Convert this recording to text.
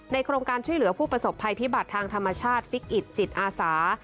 โครงการช่วยเหลือผู้ประสบภัยพิบัติทางธรรมชาติฟิกอิตจิตอาสา